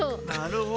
なるほど。